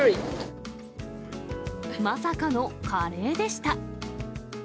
まさかのカレーでした。